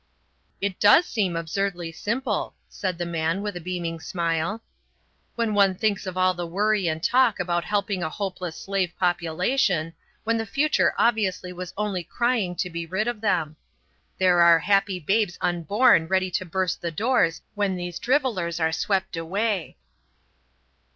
"It does seem absurdly simple," said the man, with a beaming smile, "when one thinks of all the worry and talk about helping a hopeless slave population, when the future obviously was only crying to be rid of them. There are happy babes unborn ready to burst the doors when these drivellers are swept away."